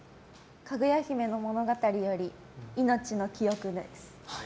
「かぐや姫の物語」より「いのちの記憶」です。